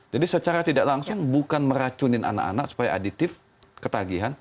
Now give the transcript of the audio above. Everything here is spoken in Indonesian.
jadi secara tidak langsung bukan meracunin anak anak supaya aditif ketagihan